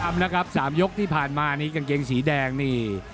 ทำแล้วครับ๓ยกที่ผ่านมานี่กางเกงสีแดงนี่